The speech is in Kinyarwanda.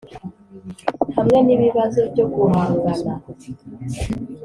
hamwe n’ibibazo byo guhangana